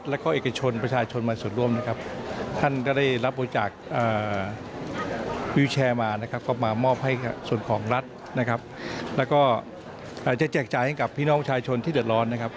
และจะแจกจ่ายให้พี่น้องชายชนที่เดิดร้อน